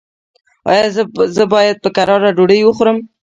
ایا زه باید په کراره ډوډۍ وخورم؟